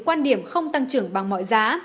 quan điểm không tăng trưởng bằng mọi giá